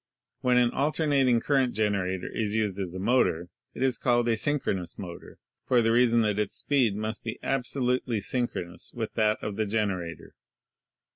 When an alternating current generator is used as a motor i't is called a synchronous motor, for the reason that its speed must be absolutely synchronous with that of the generator.